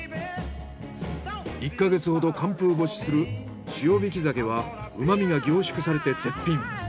１か月ほど寒風干しする塩引き鮭はうまみが凝縮されて絶品。